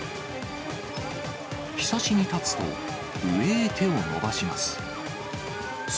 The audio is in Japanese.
ひさしに立つと、上へ手を伸ばします。